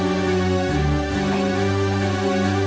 baik ramah ilmunya tinggi dan bekerja keras